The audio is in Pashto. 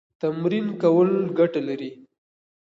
تمرین کول ګټه لري.